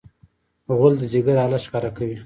غول د ځیګر حالت ښکاره کوي.